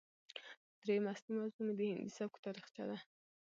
درييمه اصلي موضوع مې د هندي سبک تاريخچه ده